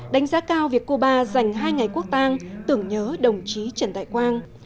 đánh giá cao việc cô ba dành hai ngày quốc tang tưởng nhớ đồng chí trần đại quang